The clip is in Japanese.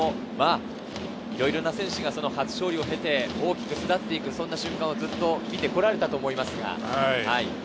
いろいろな選手が初勝利を経て大きく巣立っていく、そんな瞬間をずっと見てこられたと思いますが。